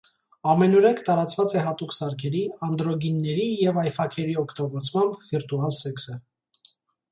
Ամենուրեք տարածված է հատուկ սարքերի՝ անդրոգինների և այֆաքերի օգտագործմամբ վիրտուալ սեքսը։